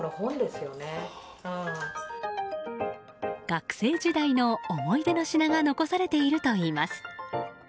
学生時代の思い出の品が残されているといいます。